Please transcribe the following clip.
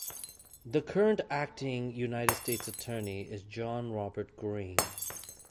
The current Acting United States Attorney is John Robert Green.